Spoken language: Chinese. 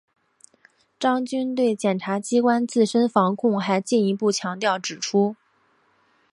张军对检察机关自身防控还进一步强调指出